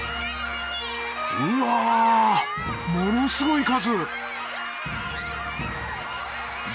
うわものすごい数！